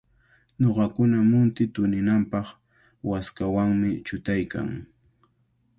Nunakuna munti tuninanpaq waskawanmi chutaykan.